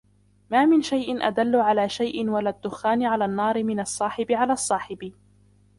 مَا مِنْ شَيْءٍ أَدَلُّ عَلَى شَيْءٍ وَلَا الدُّخَانِ عَلَى النَّارِ مِنْ الصَّاحِبِ عَلَى الصَّاحِبِ